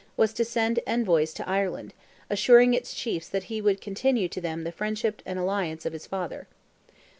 was to send envoys into Ireland, assuring its chiefs that he would continue to them the friendship and alliance of his father.